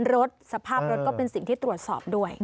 รถสภาพรถก็เป็นสิ่งที่ตรวจสอบด้วย